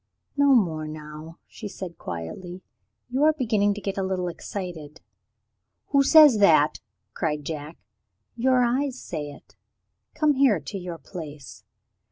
"No more now," she said quietly; "you are beginning to get a little excited." "Who says that?" cried Jack. "Your eyes say it. Come here to your place."